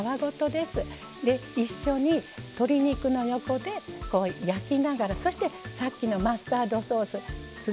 で一緒に鶏肉の横でこう焼きながらそしてさっきのマスタードソース粒